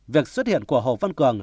việc xuất hiện của hồ văn cường